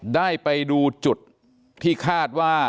ได้ไปดูจุดที่คาดว่า